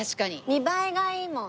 見栄えがいいもん。